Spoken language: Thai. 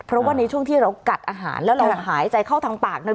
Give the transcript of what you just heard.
เพราะว่าในช่วงที่เรากัดอาหารแล้วเราหายใจเข้าทางปากนั้น